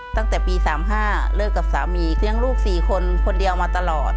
ตั้งแต่ปี๓๕เลิกกับสามีเลี้ยงลูก๔คนคนเดียวมาตลอด